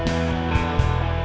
udah sam memohon